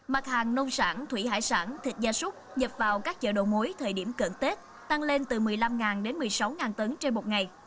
mặt hàng nông sản thủy hải sản thịt gia súc nhập vào các chợ đầu mối thời điểm cận tết tăng lên từ một mươi năm đến một mươi sáu tấn trên một ngày